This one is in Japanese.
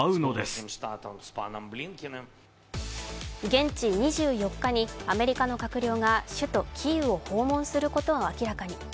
現地２４日にアメリカの官僚が首都キーウを訪問することを明らかに。